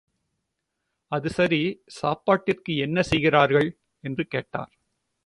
அது சரி சாப்பாட்டிற்கு என்ன செய்கிறீர்கள்? என்று கேட்டார்.